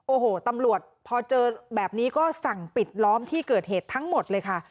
โอ้โหตำรวจพอเจอแบบนี้ก็สั่งปิดล้อมที่เกิดเหตุทั้งหมดเลยค่ะ